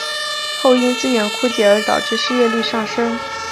后因资源枯竭而导致失业率上升。